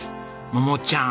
桃ちゃん